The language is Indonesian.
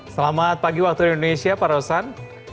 selamat pagi waktu indonesia pak rosan